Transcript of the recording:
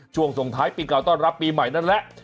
ส่งท้ายปีเก่าต้อนรับปีใหม่นั่นแหละ